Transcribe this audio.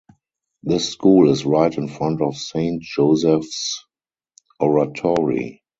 This school is right in front of Saint Joseph's Oratory.